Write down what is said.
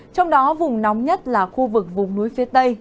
trong đó vùng nóng nhất là khu vực vùng núi phía tây